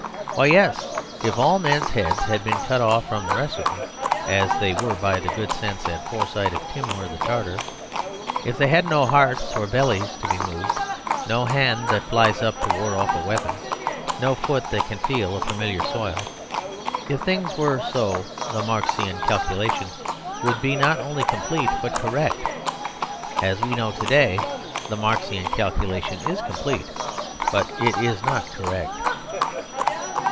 Why, yes; if all men's heads had been cut off from the rest of them, as they were by the good sense and foresight of Timour the Tartar; if they had no hearts or bellies to be moved; no hand that flies up to ward off a weapon, no foot that can feel a familiar soil if things were so the Marxian calculation would be not only complete but correct. As we know to day, the Marxian calculation is complete, but it is not correct.